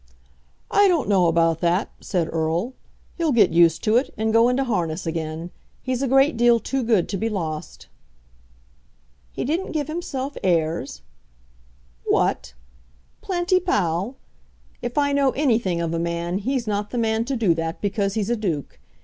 "I don't know about that," said Erle. "He'll get used to it, and go into harness again. He's a great deal too good to be lost." "He didn't give himself airs?" "What! Planty Pall! If I know anything of a man he's not the man to do that because he's a duke.